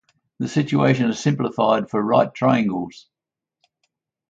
The situation is simplified for right triangles.